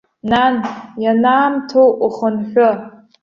Нан, ианаамҭоу ухынҳәы!